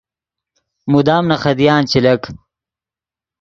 مدام نے خدیان چے لک